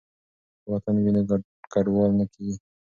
که وطن وي نو کډوال نه کیږي.